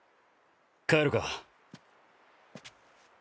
帰るか。